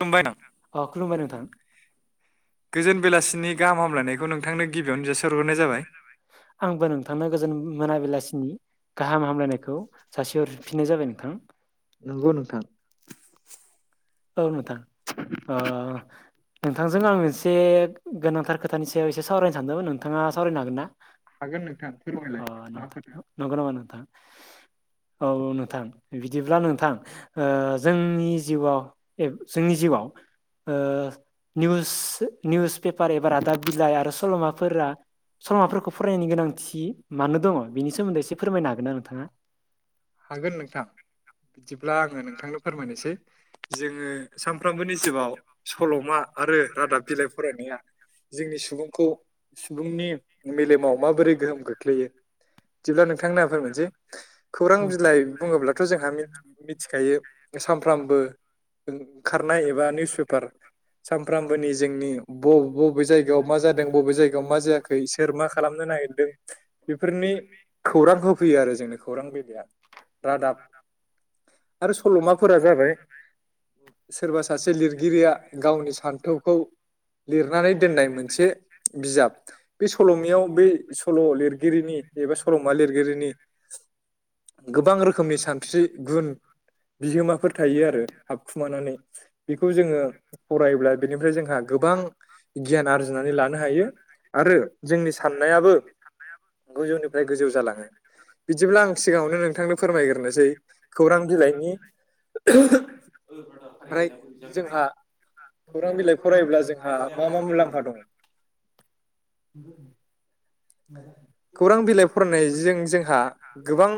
खुलुमबाय नों अ खुलुमबाय नोंथां [inaudible] बेलासिनि गाहाम हामलायनायखौ नोंथांनो गिबियावनो जासिहरग्रोनाय जाबाय। [inaudible] आंबो नोंथांनो गोजोन मोनाबिलासिनि गाहाम हामलायनायखौ सासे हरफिननाय जाबाय नोंथां। नंगौ नोंथां। औ नोंथां आ नोंथांजों आं मोनसे गोनांथार खोथानि सायाव एसे सावरायनो सानदोंमोन नोंथाङा सावरायनो हागोन ना? [inaudible] अ नंगौ नामा नोंथां? औ औ नोंथां बिदिब्ला नोंथां जोंनि जिउआ औ जोंनि जिउआ निउस निउस पेपार एबा रादाब बिलाइ आरो सल'माफोरा सल'माफोरखौ फरायनायनि गोनांथि मानो दंङ बेनि सोमोन्दै एसे फोरमायनो हागोन ना नोंथाङा? हागोन नोंथां बिदिब्ला आंङो नोंथांनो फोरमायनोसै जोंङो सानफ्रोमबोनि जिउाव सलमा आरो रादाब बिलाइ फरायनाया जोंनि सुबुंखौ सुबुंनि मेलेमाव माबोरै गोहोम खोख्लैयो बिदिब्ला नोंथां ना जागायनोसेै खौरां औ बिलाइ बुङोब्लाथ जोंहा मिथिखायो सानफ्रामबो खारनाय एबा निउस पेपार सानफ्रामबोनि जोंनि ब बबे जायगायाव मा जादों बबे जायगायाव मा जायाखै सोर मा खालामनो ना नागिरदों बेफोरनि खौरां होफैयो आरो जोंनो खौरां बिलाइया। रादाब आरो सलमाफोरा जाबाय सोरबा सासे लिर गिरिया गावनि सान्थौखौ लिरनानै दोननाय मोनसे बिजाब बे सलमायाव बै सल लिरगिरिनि एबा सलमा लिरगिरिनि गोबां रोखोमनि सानस्रि गुन बिहोमाफोर थायो आरो आखु लानानै। बेखौ जोंङो फरायोब्ला बिनिफ्राय जोंहा गोबां गियान आरजिनानै लानो हायो। आरो जोंनि साननायाबो गोजौनिफ्राय गोजौ जालांङो। बिदिब्ला आं सिगांङावनो नोंथांनो फोरमायग्रोनोसै खौरां बिलाइनि [unintelligible] फ्राय जोंहा खौरां बिलाइ फरायोब्ला जोंहा मा मा मुलाम्फा दंङ [inaudible] खौरां बिलाइ फरायनायजों जोंहा गोबां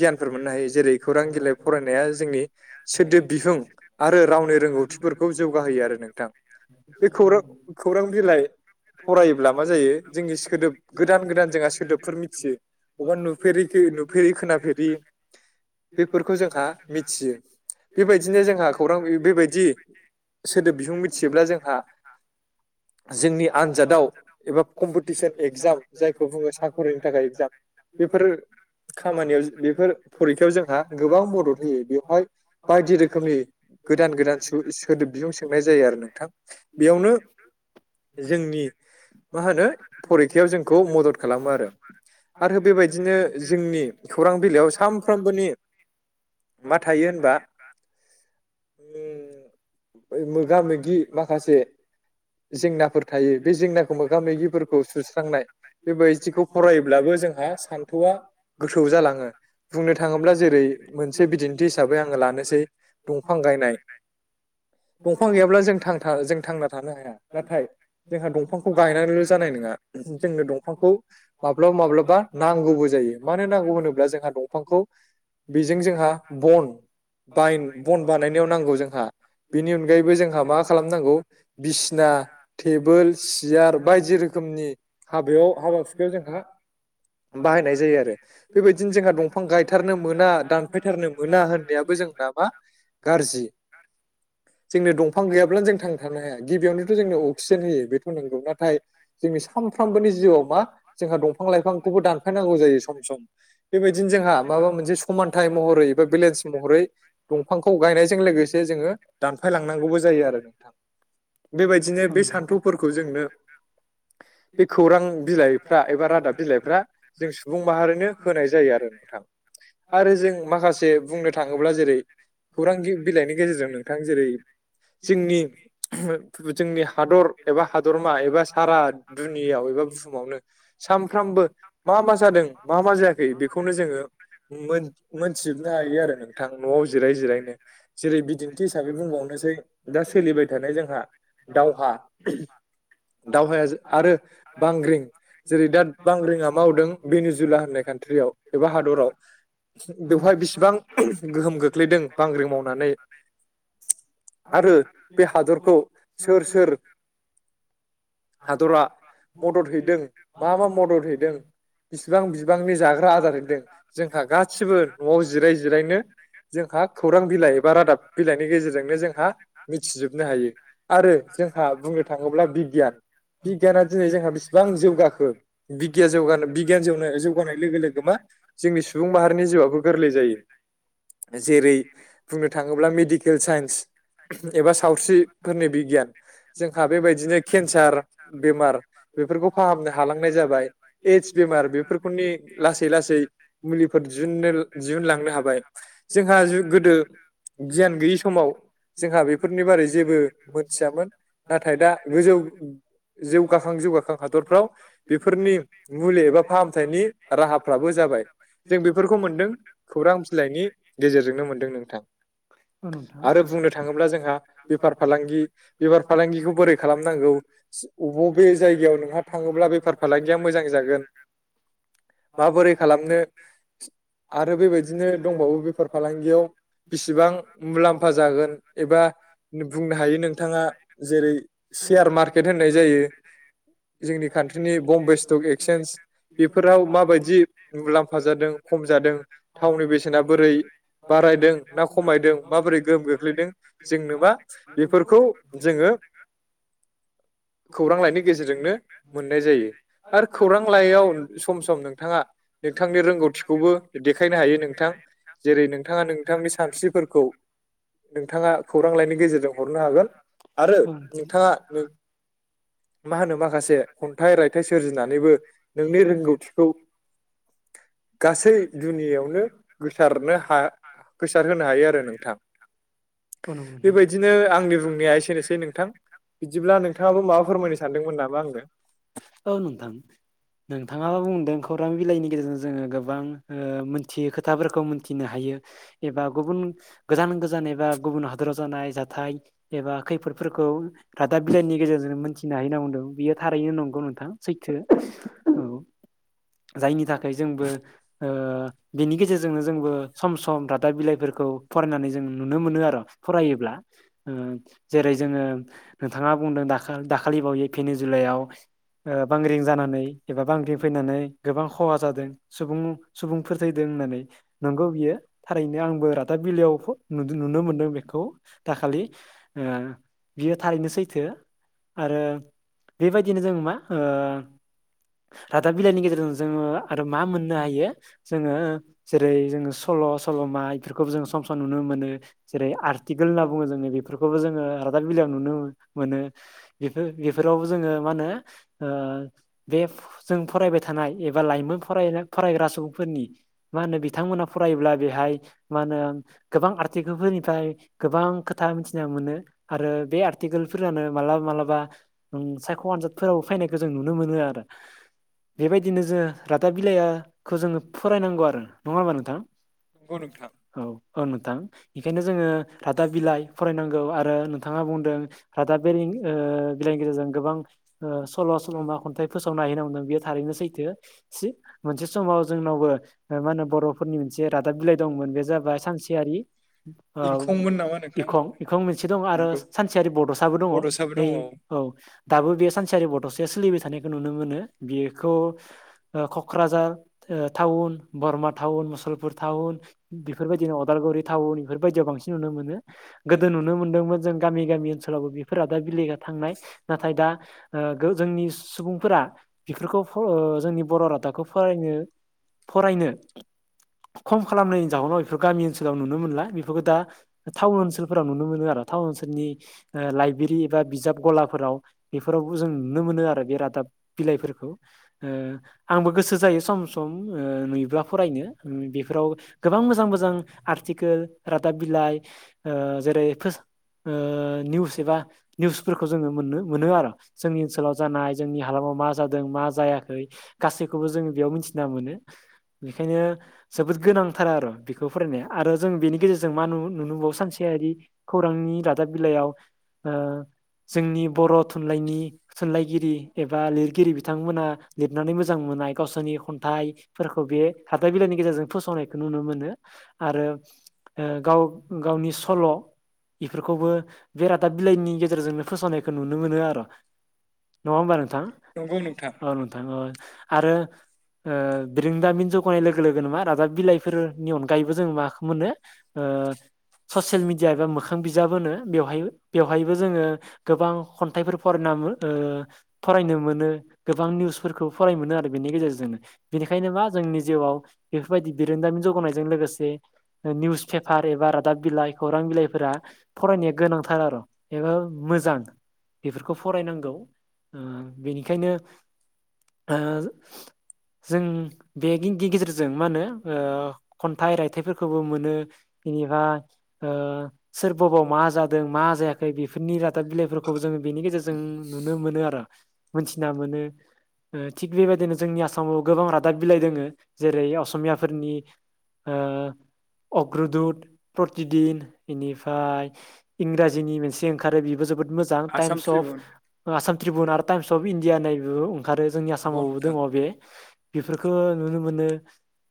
गियानफोर मोननो हायो जेरै खौरां बिलाइ फरायनाया जोंनि सोदोब बिहुं आरो रावनि रोंगौथिफोरखौ जौगाहोयो आरो नोंथां। बे खौरां खौरां बिलाइ फरायोब्ला मा जायो जोंनि सोदोब गोदान गोदान जोंहा सोदोबफोर मिथियो अबेबा नुफेरिखौ नुफेरि खोनाफेरि बेफोरखौ जोंहा मिथियो। बेबायदिनो जोंहा खौरां बेबायदि सोदोब बिहुं मिथियोब्ला जोंहा जोंनि आन्जादाव एबा कम्पिटिसन एगजाम जायखौ बुंङो सान थाखाय एजाम बेफोरो खामानियाव बेफोर फरिखायाव जोंहा गोबां मदद होयो बेवहाय बायदि रोखोमनि गोदान गोदान सोदोब बिजों सोनाय जायो आरो नोंथां बेयावनो जोंनि मा होनो फरे [inaudible] आरो बेबायदिनो जोंनि खौरां बिलाइयाव सानफ्रोमबोनि मा थायो होनबा [inaudible] मोगा मोगि माखासे जेंनाफोर थायो बे जेंनाखौ मोगा मोगिफोरखौ सुस्रांनाय बेबायदिखौ फरायोब्लाबो जोंहा सान्थौआ गोथौ जालांङो बुंनो थांङोब्ला जेरै मोनसे बिदिनो गायनाय [inaudible] दंफां गैयाब्ला जों जों थांना थानो हाया नाथाय जोंहा दंफांखौ गायनानैल' जानाय नङा जोंनो दंफांखौ । माब्लाबा माब्लाबा नांगौबो जायो मानो नांगौ होनोब्ला जोंहा दंफांखौ । बेजों जोंहा बन । बायन बन बानायनायाव नांगौ जोंहा बेनि अनगायैबो जोंहा मा खालामनांगौ बिसिना । बोल सियार बायदि रोखोमनि हाबायाव हाबा हुखायाव जोंहा बाहायनाय जायो आरो बेबायदिनो जोंहा दंफां गायथारनो मोना दानफायथारनो मोना होननायाबो जों । जों नामा गाज्रि जोंनो दंफां गैयाब्लानो जों थांनो थानो हाया गिबियावनोथ' जोंनो अक्सिजेन होयो बेथ' नंगौ नाथाय जोंनि साम । सानफ्रामबोनि जिउआव मा जोंहा दंफां लाइफां खौबो दानफायनांगौ जायो सम सम बेबायदिनो जोंहा माबा मोनसे समानथाय महरै बा बेलेन्स महरै दंफांखौ गायनायजों लोगोसे जोङो दानफाय लांनांगौबो जायो आरो नोंथां । [unintelligible] बे खौरां बिलाइफ्रा एबा रादाब बिलाइफ्रा जों सुबुं माहारिनो होनाय जायो आरो नोंथां । आरो जों माखासे बुंनो थाङोब्ला जेरै खौरां बिलाइनि गेजेरजों नोंथां जेरै जोंनि जोंनि हादर एबा हादरमा एबा सारा दुनियाव एबा । बुहुमावनो सानफ्रामबो मा मा जादों मा मा जायाखै बेखौनो जोङो । मोनथिजोबनो हायो आरो नोंथां न'आव जिराय जिरायनो जेरै बिदिन्थि हिसाबै बुंबावनो । सै दा सोलिबाय थानाय जोंहा दावहा । दावहाया आरो बांग्रिं जेरै दा बांग्रिंआ मावदों बेनिजुला होननाय कान्ट्रियाव एबा हादराव बेवहाय बिसेबां गोहोम गोख्लैदों बांग्रि मावनानै आरो बे हादरखौ सोर सोर हादरा मदद हैदों मा मा मदद हैदों । गनि जाथ आार जोंहा गासिबो न'आव जिराय जिरायनो [unintelligible] [inaudible] जोंहा खौरां बिलाइ एबा रादाब बिलाइनि गेजेरजोंनो जोंहा मिथिजोबनो हायो आरो जोंहा । बुंनो थाङोब्ला बिगियान बिगियाना दिनै जोंहा बेसिबां जौगाखो बिगियान जौग बिगियान जौ जौगानाय लोगो लोगो मा जोंनि सुबुं माहारिनि जिउआबो गोरलै जायो जेरै बुंनो थाङोब्ला मेडिकेल साइन्स एबा सावस्रिफोरनि बिगियान जोंहा बेबायदिनो केन्सार बेमार बेफोरखौ फाहामनो हालां एदस बेमार बेफोरखौनि लासै लासै मुलिफोर दिहुननो दिहुनलांनो हाबाय जोंहा गोदो गियान गैयि समाव जोंहा बेफोरनि बारै जेबो मोनथियामोन नाथाय दा गोजौ जौगाखां जौगाखां हादरफ्राव । बेफोरनि मुलि एबा फाहामथायनि राहाफ्राबो जाबाय जों बेफोरखौ मोनदों खौरां बिलाइनि गेजेरजोंनो मोन्दों नोंथां आरो बुंनो थाङोब्ला जोंहा बेफार अथ फालांगि [inaudible] अबेबे जायगायाव नोंहा थाङोब्ला बेफार फालांगिया मोजां जागोन । माबोरै खालामनो आरो बेबायदिनो दंबावो बेफार फालांगियाव । बेसेबां मुलाम्फा जागोन एबा बुंनो हायो नोंथाङा जेरै सेयार मार्केट होननाय जायो जोंनि कान्ट्रिनि बम्बे स्टक एक्सचेन्ज बेफोर बेफोराव माबायदि जबायाजानो मुलाम्फा जादों खम जादों [inaudible] थावनि बेसेना बोरै बारायदों ना खमायदों माबोरै गोहोम खोख्लैदों जोंनो मा बेफोरखौ जोङो खौरां लाइनि गेजेरजोंनो मोननाय जायो आरो खौरां लाइयाव सम सम नोंथाङा नोंथांनि रोंगौथिखौबो देखायनो हायो नों नोंथां जेरै नोंथाङा नोंथांनि सानस्रिफोरखौ । नोंथाङा खौरां लाइनि गेजेरजों हरनो हागोन आरो औ नोंथां नोंथाङा नों मा होनो माखासे खन्थाइ रायथाइ । [unintelligible] गासै जोंनियावनो हसाबसाबनो हा गोसार होनो हायो आरो नोंथां थां। औ नोंथां बेबायदिनो आंनि बुंनाया एसेनोसै नोंथां [unintelligible] बिदिब्ला नोंथाङाबो माबा फोरमायनो सानदोंमोन नामा आंनो आं नोथां नों थाङाबो बुंदों खौरां बिलाइनि गेजेरजों जोङो गोबां ओ मिनथियै खोथाफोरखौ मिनथिनो हायो। एबा गुबुन गोजान गोजान एबा गुबुन हादराव जानाय जाथाय एबा खैफोदफोरखौ रादाब बिलाइनि गेजेरजों मोनथिनो हायो होनना बुंदों बियो थारैनो नंगौ नोंथां सैथो औ जायनि थाखाय जोंबो ओ बेनि गेजेरजोंनो जोंबो सम सम रादाब बिलाइफोरखौ फरायनानै जों नुनो मोनो आरो फरायोब्ला ओ उम जेरै जोङो नोंथाङा बुं दाखाल दाखालिबावै फैनि जुलाइयाव ओ बांग्रिं जानानै एबा बांग्रिं फैनानै गोबां खहा जादों सुबुं-सुबुंफोर थैदों होननानै नंगौ बियो थारैनो आंबो रादाब बिलाइयाव नुदो नुनो मोनदों बेखौ दाखालि आ बियो थारैनो सैथो आरो बेबायदिनो जों मा ओ रादाब बिलाइनि गेजेरजों जोङो आरो मा मोननो हायो जोङो जेरै सल' सल'मा इफोरखौ जों नुनो मोनो जेरै आरटिकेल होनना बुङो जोङो बेफोरखौबो जोङो रादाब बिलाइयाव नुनो मोनो। बेफोर बेफोराव जोङो मा होनो ओ बे जों फरायबाय थानाय एबा लाइमोन फरायग्रा फरायग्रा सुबुंफोरनि मा होनो बिथांमोना फरायोब्ला बेहाय मा होनो गोबां आरटिकेल फोरनिफ्राय गोबां खोथा मिथिना मोनो आरो बे आर्टिकेलफोरानो मा लाबा मालाबा उम सायख' आनजादफोरावो फैनायखौ जों नुनो मोनो आरो बेबायदिनो जों रादाब बिलाइयाखौ जोङो फरायनांगौ आरो नङा होमबा नोंथां नंगौ नोंथां। औ औ नोंथां बेखायनो जोङो रादाब बिलाइ फरायनांगौ आरो नोंथाङा बुंदों दा बे ओ बिलाइनि गेजेरजों ओ गोबां सल' सल'मा खन्थाइ फोसावना हायो होनना बुंदों बेयो थारैनो सैथो सि मोनसे समाव जोंनावबो मा होनो बर'फोरनि मोनसे रादाब बिलाइ दंमोन बे जाबाय सानसे [unintelligible] आ इंखंमोन नामा नोंथां इखं नंगौ इखं मोनसे दं आरो सानसेयारि बड'साबो दङ बड'साबो नै दङ औ दाबो बे सानसेयारि बड'साया सोलिबाय थानायखौ नुनो मोनो बिखौ क'क्राझार ओ टाउन बरमा टाउन मुसलपुर टाउन बेफोरबायदिनो अदालगुरि टाउन बेफोरबादियाव बांसिन नुनो मोनो गोदो नुनो मोनदोंमोन जों गामि गामि ओनसोलावबो बेफोर दा बिलेगा थांनाय नाथाय दा ओ गो जोंनि सुबुंफोरा बिफोरखौ ओ जोंनि बर' रादाबखौ फरानो फरायनो खम खालामनायनि जाहोननाव बेफोर गामि ओनसोलाव नुनो मोनला बेफोरखौ दा टाउन ओनसोलफोराव नुनो मोनो आरो टाउन ओनसोलनि ओ लाइब्रि एबा बिजाब गलाफोराव बेफोरावबो जों नुनो मोनो आरो बे रादाब बिलाइफोरखौ ओ आंबो गोसो जायो सम सम ओ नुयबा फरायनो बेफोराव गोबां मोजां मोजां आं आरथिखेल रादाब बिलाइ ओ जेरै ओ निउस एबा निउसफोरखौ जोङो मोननो मोनो आरो जोंनि ओनसोलाव जानाय जोंनि हालामाव मा जादों मा जाया गासैखौ बेखायनो जोबोद गोनांथारा आर' बेखौ फरायनाया आरो जों बेनि गेजेरजों मा नु नुनो मोनबावो सानसे यारि खौरांनि रादाब बिलाइयाव ओ जोंनि बर' थुनलाइनि थुनलायगिरि एबा लिरगिरि बिथांमोना लिरनानै मोजां मोननाय गावसोरनि खन्थाइफोरखौ बे रादाब बिलाइनि गेजेरजों फोसावनायखौ नुनो मोनो। आरो ओ गाव-गावनि सल' इफोरखौबो बे रादाब बिलाइनि गेजेरजोंनो फोसावनायखौ नुनो मोनो आर' नङा होमबा नोथां नंगौ नोंथां औ नोंथां अ आरो ओ बिरोंदामिन जौगानाय लोगो लोगोनो मा रादाब बिलाइफोरनि अनगायैबो जों माखो मोनो ओ ओ ससियेल मिडिया एबा मोखां बिजाब होनो बेवहाय बेवहायबो जोङो गोबां खन्थाइफोर [unintelligible] ओ फरायनो मोनो गोबां निउसफोर फरायनो मोनो आरो बेनि गेजेरजोंनो बेनिखायनो मा जोंनि जिउआव बेफोरबायदि बिरोंदामिन जौगानायजों लोगोसे ओ निउस फेपार एबा रादाब बिलाइ खौरां बिलाइफोरा फरायनाया गोनांथार आर' ए मोजां बेफोरखौ फरायनांगौ उम बेनिखायनो ओ जों बे [unintelligible] गेजेरजों मा होनो ओ खन्थाइ रायथाइफोरखौबो मोनो बेनिफाय ओ सोर बबाव मा जादों मा जायाखै बेफोरनि रादाब बिलाइफोरखौबो जोङो बेनि गेजेरजों नुनो मोनो आरो मोनथिना मोनो ओ थिग बेबायदिनो जोंनि आसामाव गोबां रादाब बिलाइ दोङो जेरै असमियाफोरनि ओ अग्रदुत प्रतिदिन इनिफाय इंराजिनि मोनसे ओंखारो बेबो जो बोद मोजां टाइम्स अफ ओ आसाम त्रिबुन आरो टाइम्स अफ इण्डिया होननायबो ओंखारो जोंनि आसामावबो दोङ बे बेफोरखो नुनो मोनो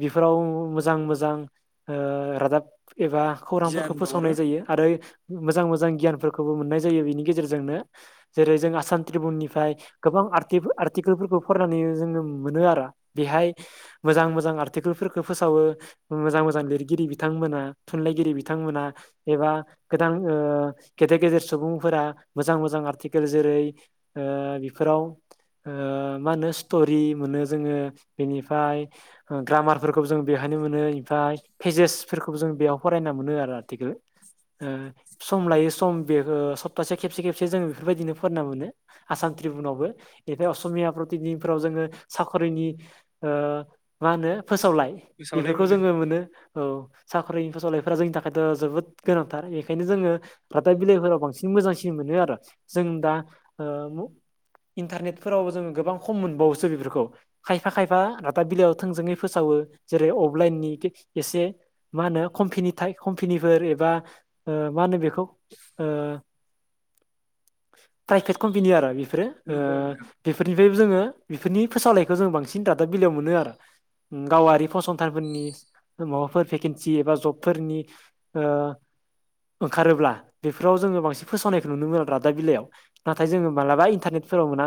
बेफोराव मोजां मोजां ओ रादाब एबा खौरांफोरखौ फोसावनाय जायो आरो मोजां मोजां गियानफोरखौबो मोननाय जायो बिनि गेजेरजों जेरै जों आसाम त्रिबुननिफ्राय गोबां आर्टि-आर्टिकोलफोरखौ फरायनानै जोङो मोनो आरो बेहाय मोजां मोजां आर्टिकोलफोरखो फोसावो मोजां मोजां लिरगिरि बिथांमोना थुनलाइगिरि बिथांमोना एबा गोदान ओ गेदेर गेदेर सुबुंफोरा मोजां मोजां आर्टिकोल जेरै ओ बिफोराव ओ मा होनो स्ट'रि मोनो जोङो बेनिफाय हो ग्रामारफोरखौबो जों बेवहायनो मोनो ओमफाय फेजेसफोरखौबो जों बेयाव फरायना मोनो आरो आर्टिकोल ओ सम लायो सम बे ओ सप्तासेयाव खेबसे खेबसे जों इफोरबायदिनो फरायना मोनो आसाम त्रिबुनावबो ओमफाय असमिया प्रतिदिनफोराव जोङो साखरिनि ओ मा मा होनो फोसावलाय बेफोरखौ जोङो मोनो औ साख्रिनि फोसावलायफोरा जोंनि थाखायथ' जोबोद गोनांथार बेखायनो जोङो रादाब बिलाइफोराव बांसिन मोजांसिन मोनो आरो जों दा ओ [unintelligible] इन्टारनेटफोरावबो जोङो गोबां खम मोनबावोसो बेफोरखौ खायफा खायफा रादाब बिलाइआ थोंजोङै फोसावो जेरै अफलाइनि एसे मा होनो खमफिनिथाइ खमफिनिफोर एबा ओ अ मा होनो बेखौ ओ प्राइभेट कम्पेनि आरो बेफोरो ओ बेफोरनिफ्रायबो जोङो बेफोरनि फोसावलायखौ जों बांसिन दा रादाब बिलाइयाव मोनो आरो उम गावारि फसंथानफोरनि माबाफोर भेकेन्सि एबा जबफोरनि ओ ओंखारोब्ला बेफोराव जोङो बांसिन फोसावनायखौ नुनो मोनो रादाब बिलायाव नाथाइ जोङो मालाबा इन्टारनेटफोराव मोना